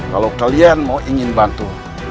kalau kalian mau ingin bantu